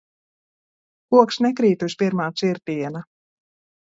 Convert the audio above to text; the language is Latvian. Koks nekrīt uz pirmā cirtiena.